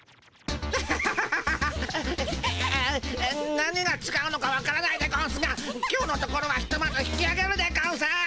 何がちがうのかわからないでゴンスが今日のところはひとまず引きあげるでゴンス。